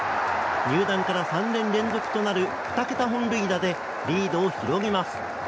入団から３年連続となる２桁本塁打でリードを広げます。